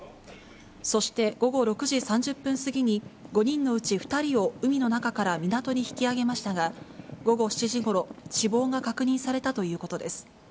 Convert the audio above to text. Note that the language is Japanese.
そして午後６時３０分過ぎに、５人のうち２人を海の中から港に引き揚げましたが、午後７時ごろ、死亡が確認されたということです。